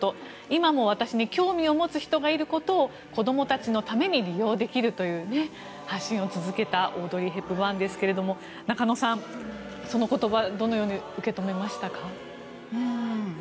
今も私に興味を持つ人がいることを子供たちのために利用できるという発信を続けたオードリー・ヘプバーンですけれども中野さん、その言葉どのように受け止めましたか？